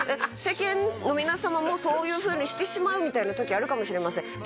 世間の皆様もそういうふうにしてしまうみたいな時あるかもしれません。